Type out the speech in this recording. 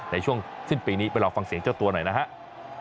ในช่วงสิ้นปีนี้ไปลองฟังเสียงเจ้าตัวหน่อยนะครับ